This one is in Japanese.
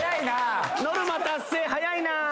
ノルマ達成はやいなぁ。